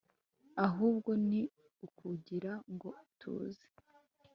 ahubwo ni ukugira ngo tuze